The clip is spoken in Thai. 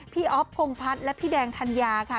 อ๊อฟพงพัฒน์และพี่แดงธัญญาค่ะ